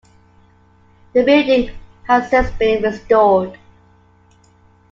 The building has since been restored.